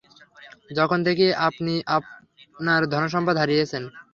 যখন থেকে আপনি আপনার ধনসম্পদ হারিয়েছিলেন।